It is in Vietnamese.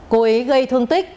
cô ấy gây thương tích